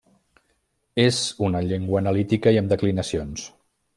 És una llengua analítica i amb declinacions.